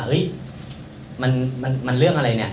เฮ้ยมันเรื่องอะไรเนี่ย